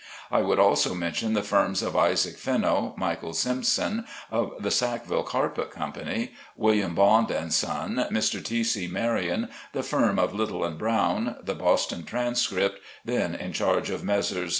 I would also mention the firms of Isaac Fenno, Michal Simpson, of the Sackville Carpet Co., William Bond & Son, Mr. T. C. Marian, the firm of Little & Brown, the Boston Transcript, then in charge of Messrs.